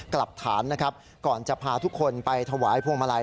กลับฐานนะครับก่อนจะพาทุกคนไปถวายพวงมาลัย